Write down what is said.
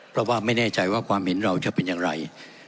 เพราะว่าไม่แน่ใจว่าความเห็นเราจะเป็นอย่างไร